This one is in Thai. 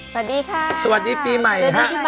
สวัสดีค่ะสวัสดีปีใหม่ค่ะสวัสดีค่ะ